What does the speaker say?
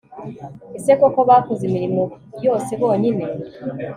Ese koko bakoze imirimo yose bonyine